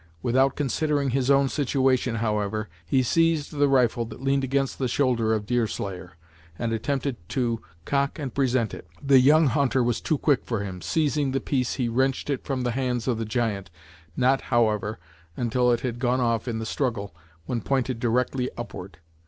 Without considering his own situation, however, he seized the rifle that leaned against the shoulder of Deerslayer, and attempted to cock and present it. The young hunter was too quick for him. Seizing the piece he wrenched it from the hands of the giant, not, however, until it had gone off in the struggle, when pointed directly upward.